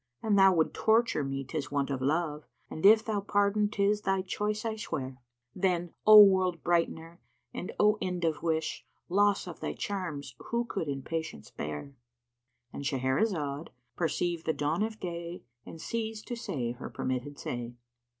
An thou would torture me 'tis wont of Love * And if thou pardon 'tis thy choice I swear: Then, O world bright'ner and O end of wish! * Loss of thy charms who could in patience bear?" —And Shahrazad perceived the dawn of day and ceased to say her permitted say.